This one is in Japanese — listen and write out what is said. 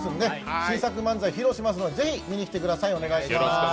新作漫才披露しますので、ぜひ見に来てください。